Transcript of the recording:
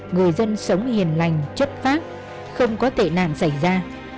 người dân sống hiền lành chất phát không có tệ nạn xảy ra